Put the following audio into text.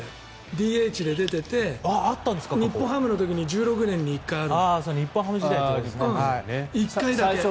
ＤＨで出ていて日本ハムの時に１６年で１回ある。